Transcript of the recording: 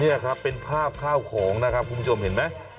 นี่ครับเป็นภาพข้าวของนะครับคุณผู้ชมเห็นไหม